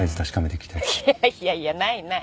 いやいやいやないない。